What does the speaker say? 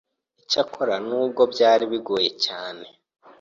Icyakora nubwo byari bingoye cyane